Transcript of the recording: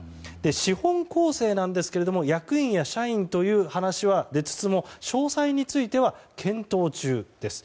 資本構成ですが役員や社員という話は出つつも詳細については検討中です。